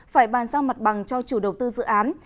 phải bàn giao mặt bằng cho chủ đầu tư dự án